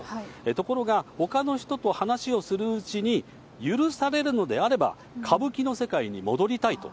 ところが、ほかの人と話をするうちに、許されるのであれば、歌舞伎の世界に戻りたいと。